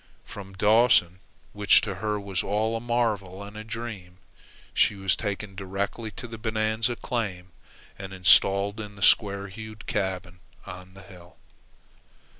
From Dawson, which to her was all a marvel and a dream, she was taken directly to the Bonanza claim and installed in the square hewed cabin on the hill.